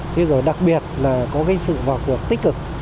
thế rồi đặc biệt là có cái sự vào cuộc tích cực